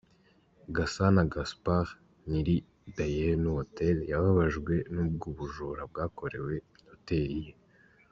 Gasana Gaspard nyiri Dayenu Hotel yababajwe n’ubwo bujura bwakorewe Hotel ye.